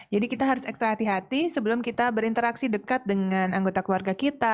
jadi kita harus ekstra hati hati sebelum kita berinteraksi dekat dengan anggota keluarga kita